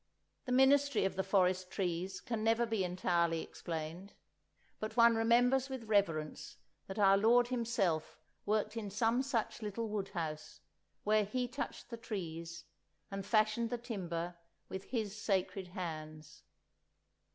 The ministry of the forest trees can never be entirely explained; but one remembers with reverence that our Lord Himself worked in some such little wood house, where He touched the trees and fashioned the timber with His sacred Hands.